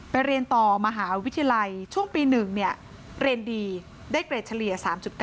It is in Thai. เรียนต่อมหาวิทยาลัยช่วงปี๑เรียนดีได้เกรดเฉลี่ย๓๙